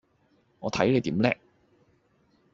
我睇你點叻